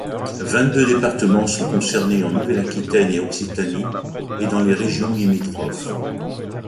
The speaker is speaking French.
Vingt-deux départements sont concernés en Nouvelle-Aquitaine et Occitanie et dans les régions limitrophes.